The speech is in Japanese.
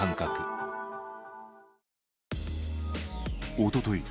おととい